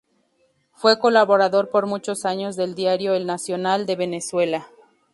Fue colaborador por muchos años del diario "El Nacional" de Venezuela.